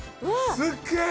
すっげえ！